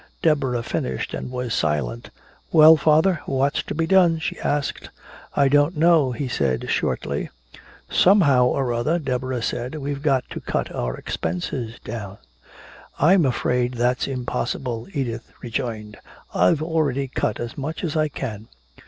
Deborah finished and was silent. "Well, father, what's to be done?" she asked. "I don't know," he answered shortly. "Somehow or other," Deborah said, "we've got to cut our expenses down." "I'm afraid that's impossible," Edith rejoined. "I've already cut as much as I can."